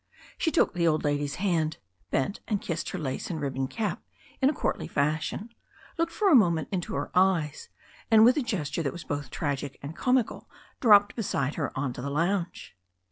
She took the old lady's hand, bent and kissed her lace and ribbon cap in a courtly fashion, looked for a moment into her eyes, and with a gesture that was both tragic and com ical dropped beside her onto the lounge.